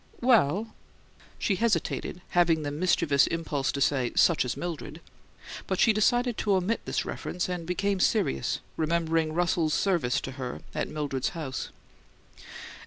"Well " She hesitated, having the mischievous impulse to say, "Such as Mildred!" But she decided to omit this reference, and became serious, remembering Russell's service to her at Mildred's house.